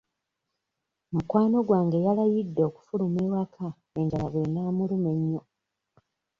Mukwano gwange yalayidde okufuluma ewaka enjala bw'enaamuluma ennyo